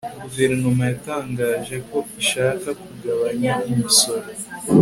guverinoma yatangaje ko ishaka kugabanya imisoro